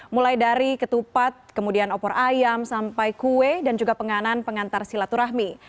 mulai dari ketupat kemudian opor ayam sampai kue dan juga penganan pengantar silaturahmi